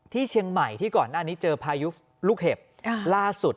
ที่เชียงใหม่ที่ก่อนหน้านี้เจอพายุลูกเห็บล่าสุด